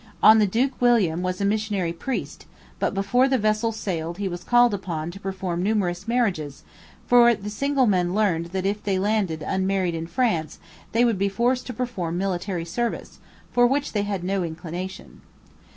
On the Duke William was a missionary priest, and before the vessels sailed he was called upon to perform numerous marriages, for the single men had learned that if they landed unmarried in France they would be forced to perform military service, for which they had no inclination.